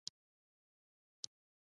لامل یې ښایي د غرب انفرادي ژوند وي.